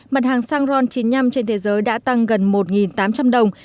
mặt hàng xăng ron chín mươi năm trên thế giới đã tăng gần một tám trăm linh đồng